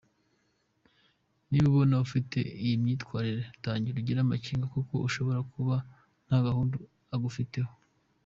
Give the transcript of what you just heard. Niba ubona afite iyi myitwarire tangira ugire amakenga kuko ashobora kuba ntagahunda agufiteho.